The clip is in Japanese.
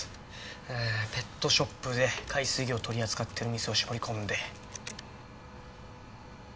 うーんペットショップで海水魚を取り扱ってる店を絞り込んで。